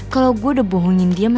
kalau gue udah bohongin dia aja deh